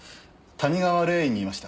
谷川霊園にいました。